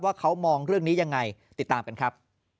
เขามองเรื่องนี้ยังไงติดตามกันครับ